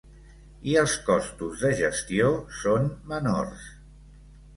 I els costos de gestió son menors.